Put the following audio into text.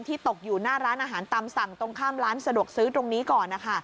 ตกอยู่หน้าร้านอาหารตามสั่งตรงข้ามร้านสะดวกซื้อตรงนี้ก่อน